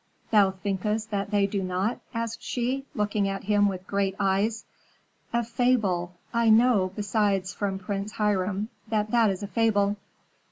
"Thou thinkest that they do not?" asked she, looking at him with great eyes. "A fable! I know, besides, from Prince Hiram, that that is a fable."